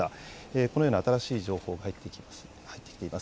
このような新しい情報、入ってきています。